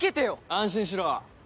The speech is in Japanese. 安心しろ。